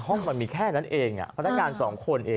ห้องมันมีแค่นั้นเองพันธการ๒คนเอง